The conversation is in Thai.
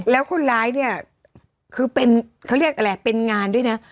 แล้วคนร้ายเนี่ยคือเป็นเขาเรียกอะไรเป็นงานด้วยนะ